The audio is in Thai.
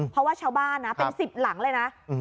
เพราะว่าชาวบ้านนะครับเป็นสิบหลังเลยนะอื้อฮึ